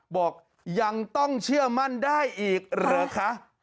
บอกยังต้องเชื่อมั่นได้อีกเหรอคะ